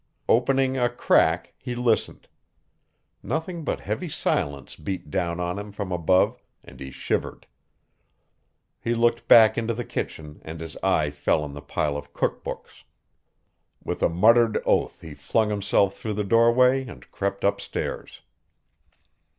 Opening a crack, he listened. Nothing but heavy silence beat down on him from above and he shivered. He looked back into the kitchen and his eye fell on the pile of cookbooks. With a muttered oath he flung himself through the doorway and crept upstairs.